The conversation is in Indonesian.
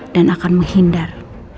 dan akan menghindar